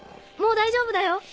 もう大丈夫だよ。